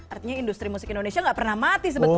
artinya industri musik indonesia gak pernah mati sebetulnya ya